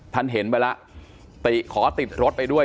ท่านเห็นไปแล้วติขอติดรถไปด้วย